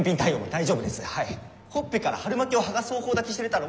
ほっぺから春巻きを剥がす方法だけ知れたら。